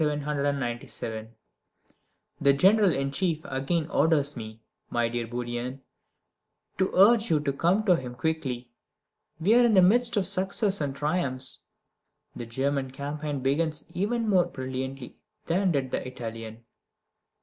The General in Chief again orders me, my dear Bourrienne, to urge you to come to him quickly. We are in the midst of success and triumphs. The German campaign begins even more brilliantly than did the Italian.